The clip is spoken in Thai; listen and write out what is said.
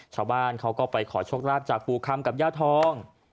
ชาวบ้านเขาก็ไปขอโชคลาภจากปู่คำกับย่าทอง